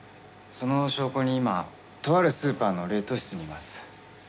その証拠に今とあるスーパーの冷凍室にいます。